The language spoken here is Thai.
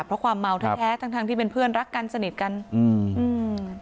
เพราะความเมาแท้แท้ทั้งทั้งที่เป็นเพื่อนรักกันสนิทกันอืมอืม